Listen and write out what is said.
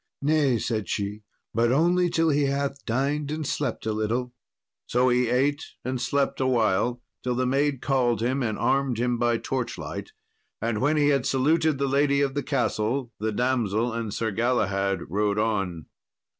"Nay," said she, "but only till he hath dined and slept a little." So he ate and slept a while, till the maid called him, and armed him by torchlight; and when he had saluted the lady of the castle, the damsel and Sir Galahad rode on.